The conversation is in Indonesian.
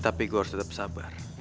tapi gue harus tetap sabar